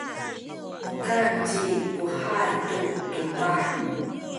mukan ci Puhay tu tubah.